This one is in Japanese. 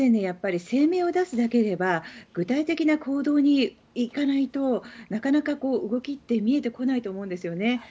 やっぱり声明を出すだけでは具体的な行動に行かないとなかなか動きって見えてこないと思うんですよね。